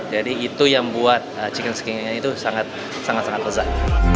jadi itu yang buat chicken skin nya itu sangat sangat sangat lezat